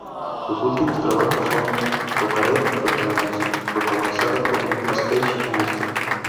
Sus últimos trabajos son "Tokarev", protagonizada por Nicolas Cage, y "Mr.